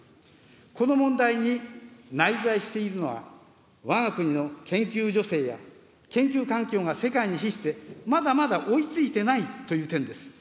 この問題に内在しているのは、わが国の研究助成や、研究環境が世界に比して、まだまだ追いついていないという点です。